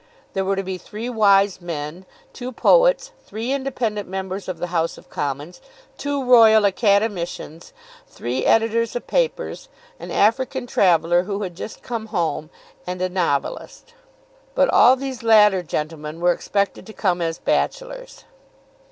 There were to be three wise men, two poets, three independent members of the House of Commons, two Royal Academicians, three editors of papers, an African traveller who had just come home, and a novelist; but all these latter gentlemen were expected to come as bachelors.